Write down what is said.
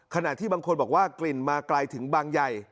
ขณะที่บางคนบอกว่ากลิ่นมาไกลถึงบางใหญ่